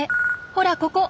ほらここ！